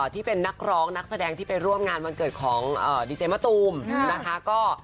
ที่เป็นนักร้องนักแสดงที่ไปร่วมงานวันเกิดของดีเจมะตูมนะคะ